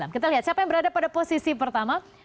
kita lihat siapa yang berada pada posisi pertama